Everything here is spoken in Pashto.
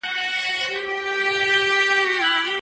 دا څه وطن دی چي منصور نه لري دار نه لري